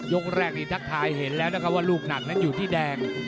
กแรกนี้ทักทายเห็นแล้วนะครับว่าลูกหนักนั้นอยู่ที่แดง